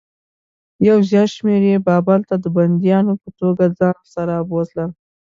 یو زیات شمېر یې بابل ته د بندیانو په توګه ځان سره بوتلل.